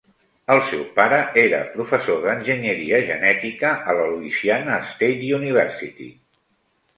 El seu pare era professor d'Enginyeria Genètica a la Louisiana State University.